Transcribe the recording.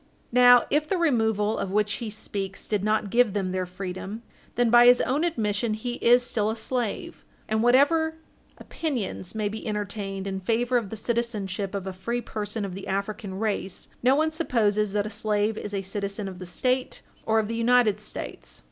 Now if the removal of which he speaks did not give them their freedom, then, by his own admission, he is still a slave, and whatever opinions may be entertained in favor of the citizenship of a free person of the African race, no one supposes that a slave is a citizen of the State or of the United States.